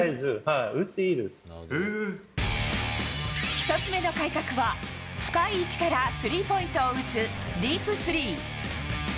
１つ目の改革は深い位置からスリーポイントを打つディープスリー。